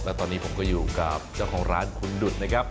และตอนนี้ผมก็อยู่กับเจ้าของร้านคุณดุดนะครับ